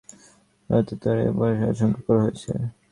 স্থানীয় আবহাওয়া দপ্তর বলছে, রাজ্যে আরও ভারী বর্ষণের আশঙ্কা করা হচ্ছে।